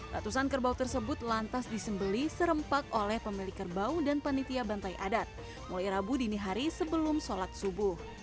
ratusan kerbau tersebut lantas disembeli serempak oleh pemilik kerbau dan panitia bantai adat mulai rabu dini hari sebelum sholat subuh